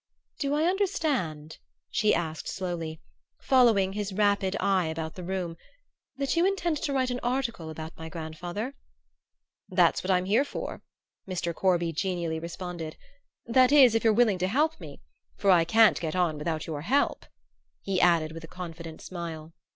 "Do I understand," she asked slowly, following his rapid eye about the room, "that you intend to write an article about my grandfather?" "That's what I'm here for," Mr. Corby genially responded; "that is, if you're willing to help me; for I can't get on without your help," he added with a confident smile.